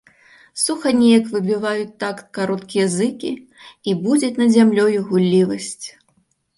Суха неяк выбіваюць такт кароткія зыкі і будзяць над зямлёю гуллівасць.